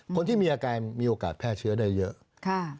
คนที่มีอาการมีโอกาสแพร่เชื้อได้เยอะ